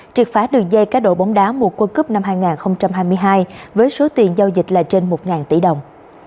triệt phá đường dây cá độ bóng đá mùa quân cướp năm hai nghìn hai mươi hai với số tiền giao dịch là trên một tỷ đồng